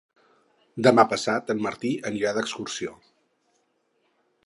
Demà passat en Martí anirà d'excursió.